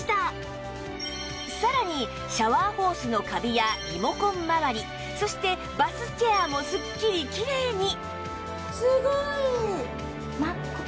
さらにシャワーホースのカビやリモコンまわりそしてバスチェアもすっきりキレイに